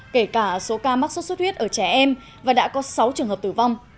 kể cả số ca mắc sốt xuất huyết ở trẻ em và đã có sáu trường hợp tử vong